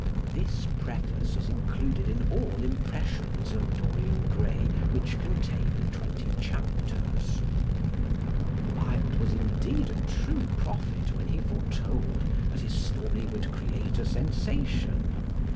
This preface is included in all impressions of Dorian Gray which contain twenty chapters. Wilde was indeed a true prophet when he foretold that his story would create a sensation.